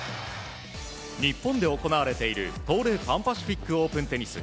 日本で行われている東レ・パシフィック・オープンテニス。